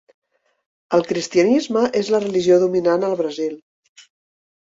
El cristianisme és la religió dominant al Brasil.